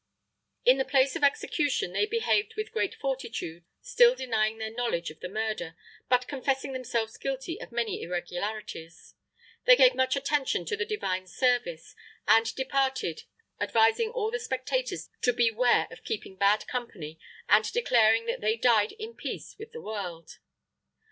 At the place of execution they behaved with great fortitude, still denying their knowledge of the murder, but confessing themselves guilty of many irregularities. They gave much attention to the Divine Service, and departed, advising all the spectators to beware of keeping bad company and declaring that they died in peace with the world.